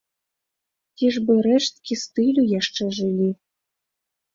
Ці ж бы рэшткі стылю яшчэ жылі?